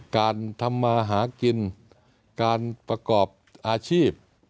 การทำมาหากินการประกอบอาชีพ